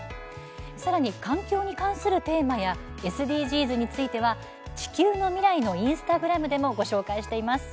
さらに環境に関するテーマやＳＤＧｓについては「地球のミライ」のインスタグラムでもご紹介しています。